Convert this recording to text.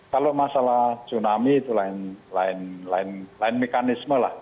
kalau masalah tsunami itu lain mekanisme lah